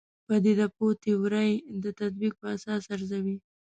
پدیده پوه تیورۍ د تطبیق په اساس ارزوي.